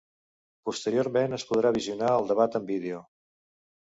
Posteriorment es podrà visionar el debat en vídeo.